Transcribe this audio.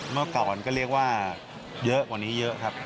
เมื่อก่อนก็เรียกว่าเยอะกว่านี้เยอะครับ